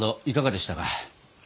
いかがでしたか？